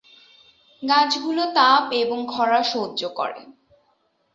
গাছগুলো তাপ এবং খরা সহ্য করে।